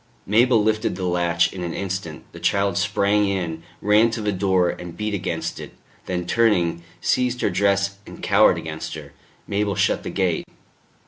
Mabel lifted the latch in an instant; the child sprang in, ran to the door and beat against it, then turning, seized her dress and cowered against her. Mabel shut the gate.